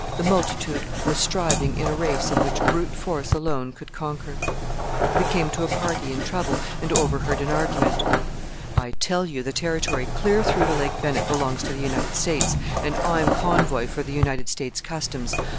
The multitude were striving in a race in which brute force alone could conquer. They came to a party in trouble, and overheard an argument. "I tell you the territory clear through to Lake Bennett belongs to the United States, and I'm convoy for the United States Customs.